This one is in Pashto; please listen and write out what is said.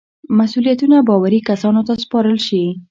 مسئولیتونه باوري کسانو ته وسپارل شي.